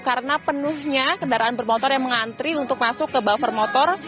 karena penuhnya kendaraan bermotor yang mengantri untuk masuk ke buffer motor